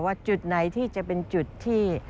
จุดไหนที่จะเป็นจุดที่